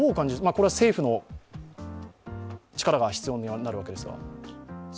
これは政府の力が必要にはなるわけですが。